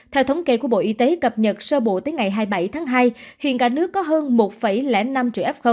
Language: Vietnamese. theo thống kê của bộ y tế cập nhật sơ bộ tới ngày hai mươi bảy tháng hai hiện cả nước có hơn một năm triệu f